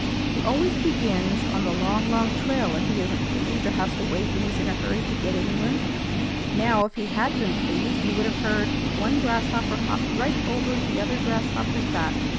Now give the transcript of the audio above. He always begins on 'The Long, Long Trail' if he isn't pleased or has to wait when he's in a hurry to get anywhere. Now, if he had been pleased, you would have heard 'One grasshopper hopped right over th' other grasshopper's back.'